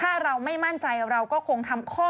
แล้วก็คุณกล้าวคุณกล้าว